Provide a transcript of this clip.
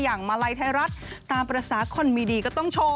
มาลัยไทยรัฐตามภาษาคนมีดีก็ต้องโชว์